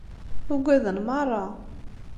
Ugaden meṛṛa.